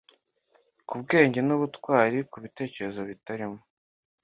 kubwenge n'ubutwari, kubitekerezo bitarimo